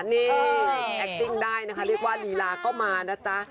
นี่แอคติ้งได้นะคะเรียกว่าลีลาก็มานะจ๊ะ